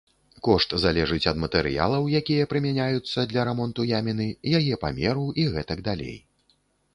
Кошт залежыць ад матэрыялаў, якія прымяняюцца для рамонту яміны, яе памеру і гэтак далей.